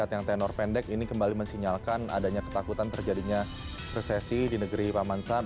yang tenor pendek ini kembali mensinyalkan adanya ketakutan terjadinya resesi di negeri paman sam